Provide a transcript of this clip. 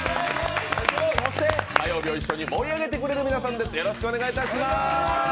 そして火曜日を一緒に盛り上げてくれる皆さんです。